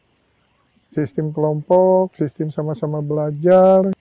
karena sistem kelompok sistem sama sama belajar